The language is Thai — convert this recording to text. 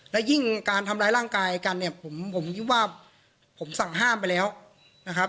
และยิ่งการทำร้ายร่างกายกันเนี่ยผมคิดว่าผมสั่งห้ามไปแล้วนะครับ